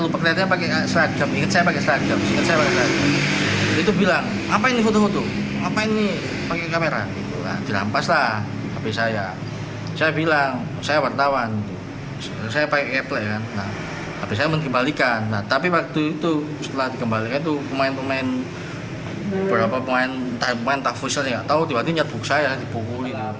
pemain tak fosilnya tidak tahu tiba tiba nyat buksanya dibukulin